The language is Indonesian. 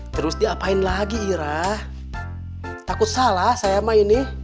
terus diapain lagi ira takut salah saya mah ini